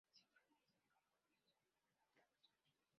Siempre es necesario compromiso en la verdad de la persona.